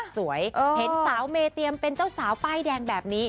เห็นสาวเมเตรียมเป็นเจ้าสาวป้ายแดงแบบนี้